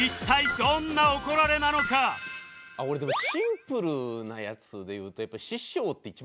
俺でもシンプルなやつで言うとやっぱ。